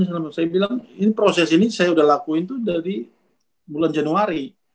saya bilang ini proses ini saya sudah lakuin itu dari bulan januari